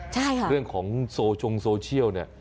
ใช่ค่ะเรื่องของโซชงโซเชียลเนี่ย